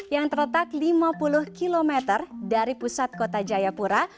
yang terletak lima puluh km dari pusat kota jayapura